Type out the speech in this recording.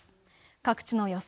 各地の予想